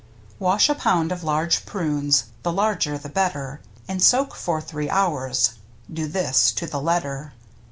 Wash a pound of large prunes — the larger, the better — And soak for three hours (do this to the letter!).